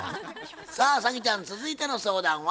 さあ早希ちゃん続いての相談は？